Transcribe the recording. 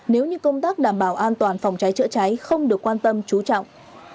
nếu như công tác đảm bảo an toàn phòng cháy chữa cháy không được quan tâm trú trọng